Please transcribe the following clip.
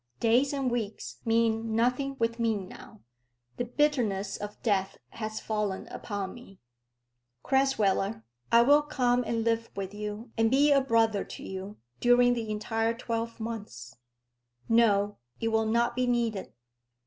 Days and weeks mean nothing with me now. The bitterness of death has fallen upon me." "Crasweller, I will come and live with you, and be a brother to you, during the entire twelve months." "No; it will not be needed.